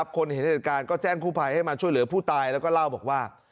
คนเห็นเหตุการณ์ก็แจ้งกู้ภัยให้มาช่วยเหลือผู้ตายแล้วก็เล่าบอกว่า